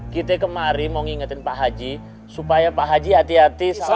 kita kemarin mau ngingetin pak haji supaya pak haji hati hati selamat